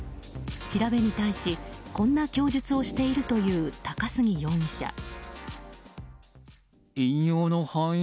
調べに対しこんな供述をしているという高杉容疑者。